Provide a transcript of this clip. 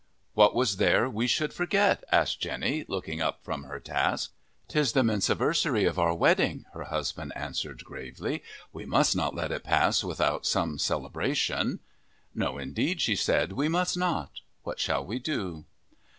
"What was there we should forget?" asked Jenny, looking up from her task. "'Tis the mensiversary of our wedding," her husband answered gravely. "We must not let it pass without some celebration." "No indeed," she said, "we must not. What shall we do?"